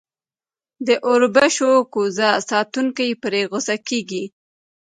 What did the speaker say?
د اوربشو کوزه ساتونکی پرې غصه کېږي.